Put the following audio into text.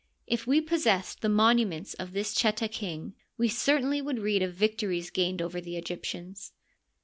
If we possessed the monuments of this Cheta king, we certainly would read of victories gained over the Egyptians.